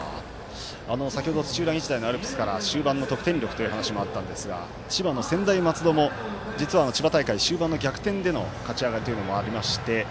先ほど土浦日大のアルプスから終盤の得点力という話があったんですが千葉の専大松戸も実は千葉大会終盤の逆転での勝ち上がりというのもありまして。